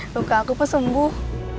luka aku pesembuh